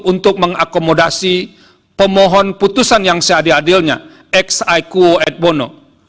untuk mengakomodasi pemohon putusan yang seadil adilnya ex aequo et bono